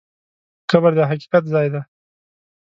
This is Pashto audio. قبر د حقیقت ځای دی.